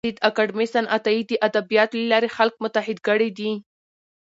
کانديد اکاډميسن عطايي د ادبياتو له لارې خلک متحد کړي دي.